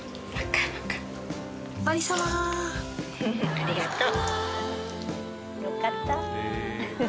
ありがとう。